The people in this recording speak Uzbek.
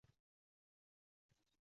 Isinmoqchi bo’laman shu on”.